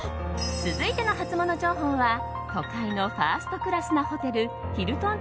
続いてのハツモノ情報は都会のファーストクラスのホテルヒルトン